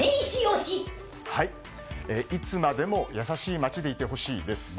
いつまでも優しい街でいてほしいです。